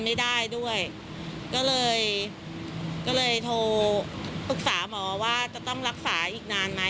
มาว่าว่าจะต้องรักษาอีกนะ